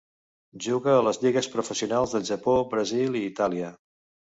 Jugà a les lligues professionals del Japó, Brasil i Itàlia.